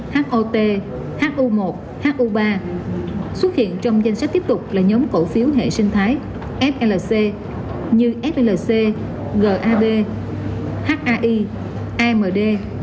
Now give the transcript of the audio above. hot hu một hu ba xuất hiện trong danh sách tiếp tục là nhóm cổ phiếu hệ sinh thái flc như flc gab hai amd